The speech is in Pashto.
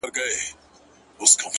زه چي الله څخه ښكلا په سجده كي غواړم!